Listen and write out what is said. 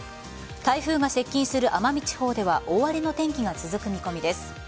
台風が接近する奄美地方では大荒れの天気が続く見込みです。